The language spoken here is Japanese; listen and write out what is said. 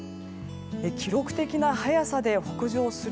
記録的な早さで北上する